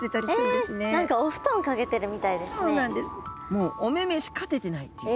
もうお目目しか出てないっていう。